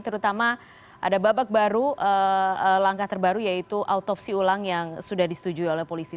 terutama ada babak baru langkah terbaru yaitu autopsi ulang yang sudah disetujui oleh polisi